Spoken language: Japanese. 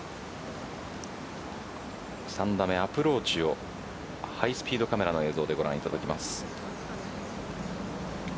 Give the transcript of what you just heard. ３打目、アプローチをハイスピードカメラの映像でご覧いただきます。